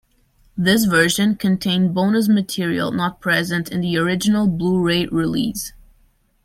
This version contained bonus material not present in the original Blu-ray release.